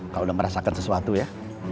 kalau udah merasakan sesuatu ya